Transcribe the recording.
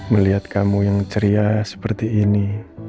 melihat kamu yang ceria seperti ini